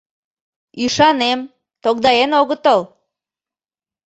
— Ӱшанем, тогдаен огытыл!